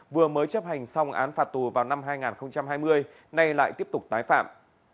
vừa mới chấp hành xong án phạt tù vào năm hai nghìn hai mươi nay lại tiếp tục tái phạm